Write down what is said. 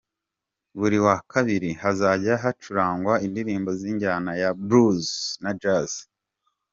Buri wa kabiri:Hazajya hacurangwa indirimbo z’injyana ya Blues na Jazz.